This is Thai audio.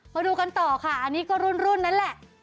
มาดูกันต่อค่ะอันนี้ก็รุ่นนั้นแหละ